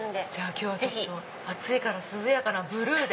今日は暑いから涼やかなブルーで。